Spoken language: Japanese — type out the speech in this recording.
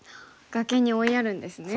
崖に追いやるんですね。